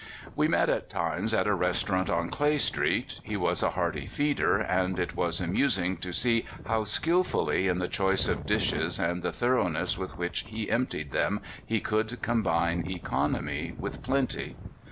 We met at times at a restaurant on Clay Street. He was a heart} feeder, and it was amusing to see how skillfully in the choice of dishes and the thor oughness with which he emptied them he could combine economy with plenty.